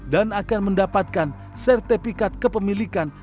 dan akan mendapatkan sertifikat kepemilikan